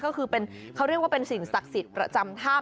ก็คือเป็นเขาเรียกว่าเป็นสิ่งศักดิ์สิทธิ์ประจำถ้ำ